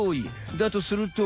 だとすると。